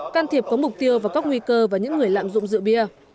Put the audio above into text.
can thiệp có mục tiêu và các nguy cơ vào những người lạm dụng rượu bia